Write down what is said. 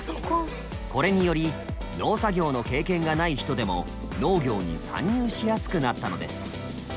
これにより農作業の経験がない人でも農業に参入しやすくなったのです。